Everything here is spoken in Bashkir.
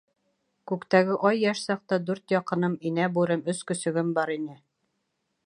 Күктәге ай йәш саҡта дүрт яҡыным — инә бүрем, өс көсөгөм бар ине.